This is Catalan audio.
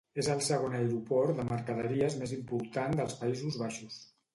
És el segon aeroport de mercaderies més important dels Països Baixos.